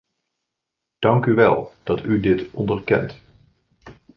Dank u wel, dat u dit onderkent.